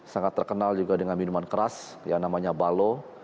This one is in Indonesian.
sangat terkenal juga dengan minuman keras yang namanya balo